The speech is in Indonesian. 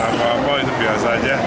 apa apa itu biasa aja